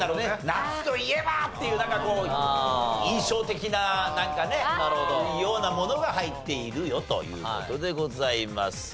夏といえばっていうなんかこう印象的なようなものが入っているよという事でございます。